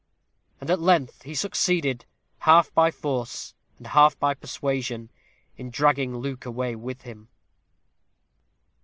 And at length he succeeded, half by force and half by persuasion, in dragging Luke away with him.